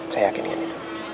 saya yakin dengan itu